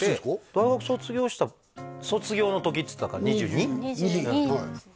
大学卒業した卒業の時っつったから２２？